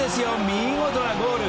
見事なゴール。